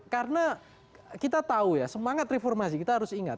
karena kita tahu ya semangat reformasi kita harus ingat